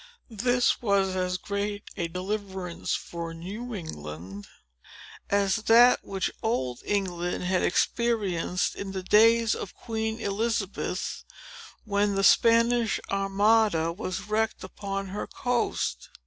This was as great a deliverance for New England, as that which old England had experienced in the days of Queen Elizabeth, when the Spanish Armada was wrecked upon her coast.